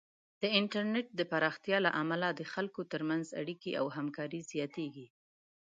د انټرنیټ د پراختیا له امله د خلکو ترمنځ اړیکې او همکاري زیاتېږي.